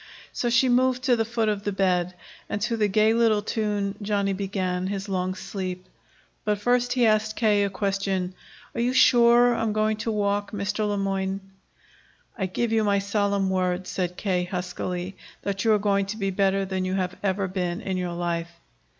So she moved to the foot of the bed, and to the gay little tune Johnny began his long sleep. But first he asked K. a question: "Are you sure I'm going to walk, Mr. Le Moyne?" "I give you my solemn word," said K. huskily, "that you are going to be better than you have ever been in your life."